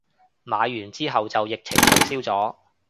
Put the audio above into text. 買完之後就疫情取消咗